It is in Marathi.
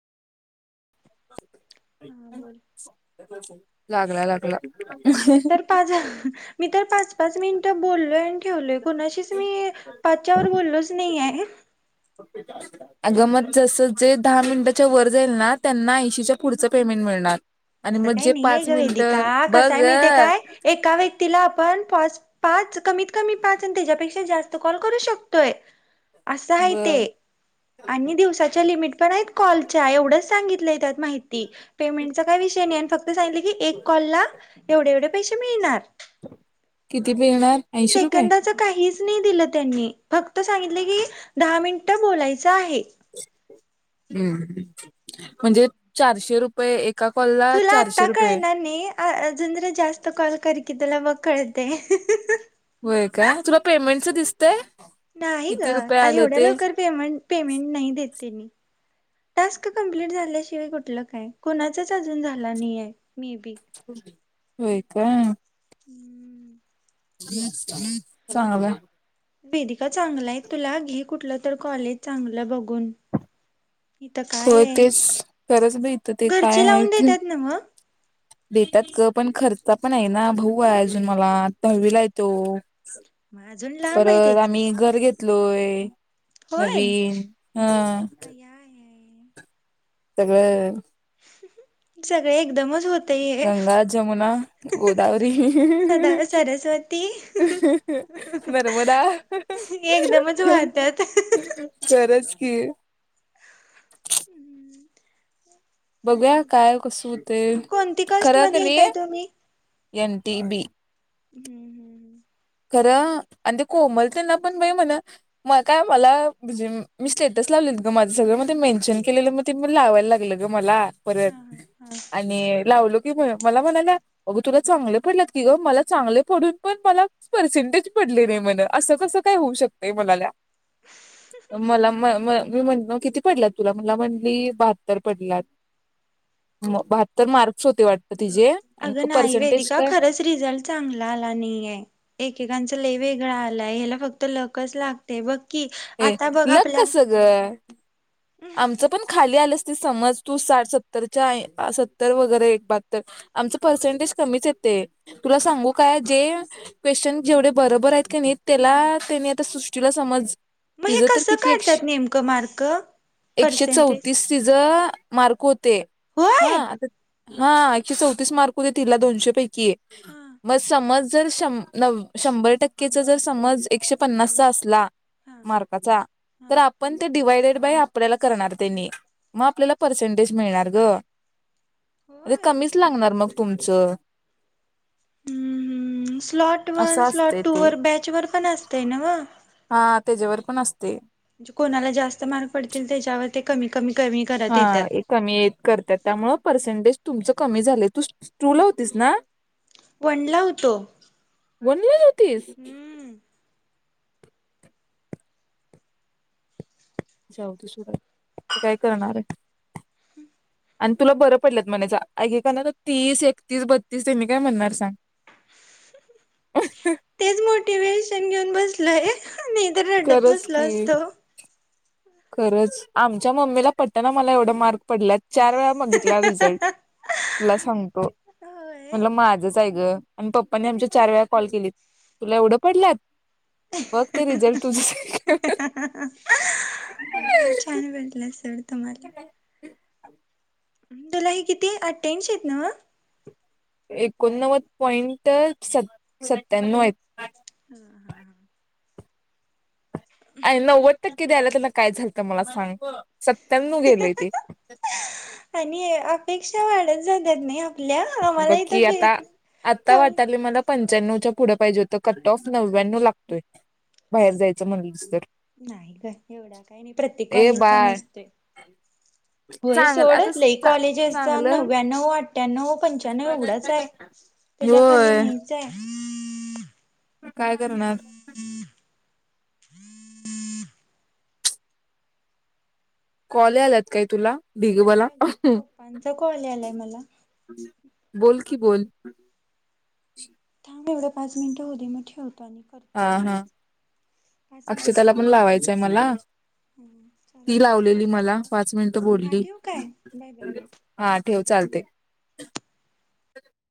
हा बोल [inaudible] लागला लागला मी तर पाझा मी तर पाच पाच मिनिटं बोललोय आणि ठेवले कुणाशीच मी पाच्यावर बोललोच नाहीये अग म जसं जे दहा मिनिटाच्या वर जाईल ना त्यांना ऐंशीच्या पुढचं पेमेंट मिळणार. आणि असं मग काय जे नाहीये पाच ग वेदीका मिनिटं बघ कसय माहितीय काय एका व्यक्तीला आपण पाच पाच कमीत कमी पाच अन त्याच्यापेक्षा जास्त कॉल करू शकतोय. असं ब आहे ते आणि दिवसा त्या लिमिट पण आहेत कॉलच्या एवढंच सांगितलंय त्यात माहिती पेमेंट [unintelligible] फक् फक्त सांगतले की एक कॉल ला एवढे एवढे पैसे मिळणार किती मिळणार ऐंशी रुपये नई दिलं त्यांनी फक्त सांगितले की दहा मिनिट बोलायच आहे. हूं म्हणजे चारशे रुपये एक तुला आत्ता कळणार नी अजून जरा जास्त कॉल कर कि तुला मग कळतय. होय काय तुला पेमेंटच दिसतंय. नाही ग एवढ्या लवकर पेमेंट पेमेंट नाही देत त्येनी टास्क कंप्लीट झाल्याशिवाय कुठलं काय कोणाचाच अजून झाला नाहीय. मी बी होय काय हम्म चांगलय वेदिका चांगल आहेत तुला घे कुठलं तर कॉलेज चांगलं बघून इथं काय होय आहे तेच खरंच बाई इथं ते काय घरचे आहे लावून ते देतात ना मग. देतात का पण खर्च पण आहे ना भाऊ आहे अजून मला दहावीला य तो मग अजून लांब आहे परत त्याच आम्ही घर घेत लोय होय. नवीन हा सगळे सगळे एकदमच होत. गंगा, जमुना, गोदावरी, सदा सरस्वती नर्मदा एकदमच वाहतात. खरच की हम्म बघूया काय कस होत कोणती कास्ट मध्ये येतय तुम्ही एन टी बी हम्म हम्म हम् खरं आणि ते कोमल त्यांना पण बाई म्हणा म काय मला म्हणजे मी स्टेटस लावलेत ग माझं सगळं मग ते मेन्शन केलेलं मग ते लावायला लागलं ग मला परत हम्म हम्म. हा हा हा आणि लावल की मला म्हणाल्या अग तुला चांगले पडलात की ग, मला चांगले पडून पण मला पर्सेंटेज पडले नाही म्हण असं कसं काय होऊ शकतंय म्हणाल्या मला म म मी म्हण मग किती पडल्यात तुला मला म्हटली बहात्तर पडल्यात म बहात्तर मार्क्स होते वाट अगं नाही वेदिका खरंच रिझल्ट चांगला आला नाहीेये एकेकांचं लय वेगळां आलाय ह्याला फक्त लकच लागतय बघ की ए आता बघ लक आपल्या कस ग आमचं पण खाल लई आले असते समज तू साठ -सत्तरच्या ऐ सत्तर वगैरे एक बहात्तर आमचं पर्सेंटेज कमीच येतंय तुला सांगू काय जे क्वेश्चन जेवढे बरोबर आहेत का नाहीत त्याला त्यानी आता सुशु तुला समज मग हे तिचं तर कसं किती काढत्यात नेमकं मार्क पर्सेंटेज एकशेचौतीस तिच मार्क होते हा होय. आता हा एकशे चौतीस मार्क होते तिला दोनशे पैकी हा मग समज जर श नव् शंभर टक्केचा जर समज एकशे पन्नासचा असला हा मार्काचा हा तर आपण ते डिवायडेड बाई आप आपल्याला करणार त्यांनी मग आपल्याला पर्सेंटेज मिळणार ग अरे होय. कमीच लागणार मग तुमचं हम्म हम्म स्लॉट वन असं स्लॉट असते टू ते वर बॅचवर पण असतय नव्ह हा त्याच्यावर पण असतय कोणाला जास्त मार्क पडतील त्याच्यावर ते कमी कमी कमी करत हा येतात. कमी ये करत्यात त्यामुळे पर्सेंटेज तुमचं कमी झालंय तू टु ला होतीस ना? वनला होतो. वन ला? तेच हम्म. जाऊ तसुबाई काय करणार आहेत आणि तुला बरं पडलं म्हणायच ऐकाकाना तीस एकतीस बत्तीस त्यांनी काय म्हणणार सांग? तेच मोटिवेशन घेऊन बस लय नाही तर रडत खरंच बसलो की असतो. खरंच आमच्या मम्मीला पटना मला एवढा मार्क पडल्यात. चार वेळा बघितला रिझल्ट तुला सांगतो होय म्हणलं माझंचय गं. आणि पप्पाने आमच्या चार वेळा कॉल केली तुला एवढं पडलात? बग ते रिझल्ट तूझ अ छान बरला सर तमला तीला ही किती अठ्यांशी आहेत न्हव एकोणनव्वद पॉइंट स सत्याण्णव आहेत. हा हा हा अ नव्वद क आय त्यांना काय झालतं मला सांग. सत्यानव गेलेय ते पेक्षा वाढत जातात नाही आपल्या आम्हाला इथं बकी भे आता आता कमी वाटाले मला पंच्याण्णवच्या पुढं पाहिजे होत कट ऑफ नव्यानव लागतोय बाहेर जायचं म्हणलंस तर. नाही का एवढा काही नाही प्रत्येक ए कॉलेजचा बाळ नसतोय व्हाय चांगलं सोड आता लय चा कॉलेजसचे चांगलं नव्यानव आठ्यानऊ पंच्यानऊ तेवढच हाय ह्यज्या खाली होय नाहीच हाय काय करणार? कॉल याल्यात काय तुला भ बला होय अगं पप्पांचा कॉल यालाय मला. बोल की बोल [inaudible] थांब एवढी पाच मिनिटं हो दे मग ठेवतो आणि हा करतो हा लगेच. पाच मिनिटं अक्षताला पण झालं की, लावायचंय मला हम्म ती चालतंय थांब. लावलेली मला पाच मिनिट हा बोलली ठेवू काय? Bye bye. हा ठेव चालतय